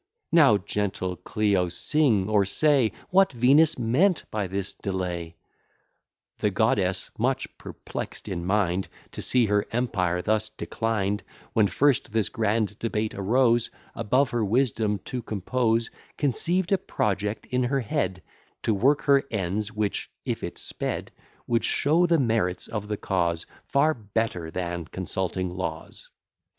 Now, gentle Clio, sing, or say What Venus meant by this delay? The goddess much perplex'd in mind To see her empire thus declined, When first this grand debate arose, Above her wisdom to compose, Conceived a project in her head To work her ends; which, if it sped, Would show the merits of the cause Far better than consulting laws.